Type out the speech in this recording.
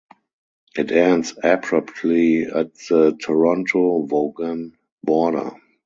It ends abruptly at the Toronto-Vaughan border.